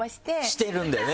してるんだよね。